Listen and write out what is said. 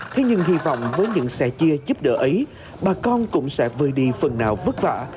thế nhưng hy vọng với những sẻ chia giúp đỡ ấy bà con cũng sẽ vơi đi phần nào vất vả